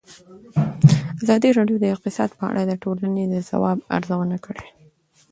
ازادي راډیو د اقتصاد په اړه د ټولنې د ځواب ارزونه کړې.